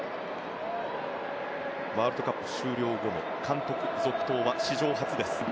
ワールドカップ終了後の監督続投は史上初です。